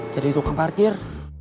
jadi tukang parkir